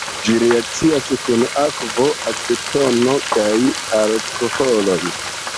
Ĝi reakcias kun akvo, acetono kaj alkoholoj.